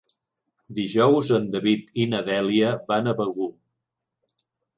Dijous en David i na Dèlia van a Begur.